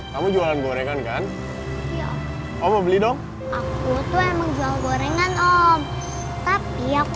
kamu jualan gorengan kan iya kamu beli dong aku tuh emang jual gorengan oh tapi aku